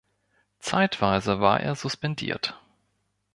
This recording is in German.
Zeitweise war er suspendiert.